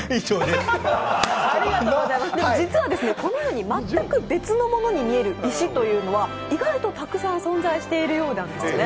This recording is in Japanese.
実はこのように全く別のものに見える石は意外とたくさん存在しているようなんですね。